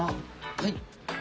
はい。